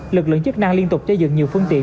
lực lượng chức năng liên tục cho dựng nhiều phương tiện